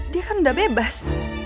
dia kan udah bebas